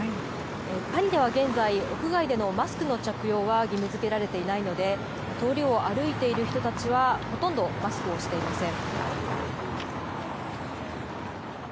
パリでは現在、屋外でのマスクの着用は義務づけられていないので、通りを歩いている人たちはほとんどマスクをしていません。